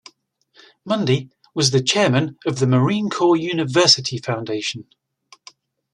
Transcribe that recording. Mundy was the chairman of the Marine Corps University Foundation.